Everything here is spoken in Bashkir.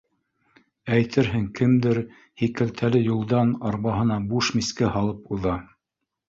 Әйтерһең, кемдер һи кәлтәле юлдан арбаһына буш мискә һалып уҙа